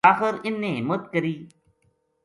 آخر اِنھ نے ہمت کری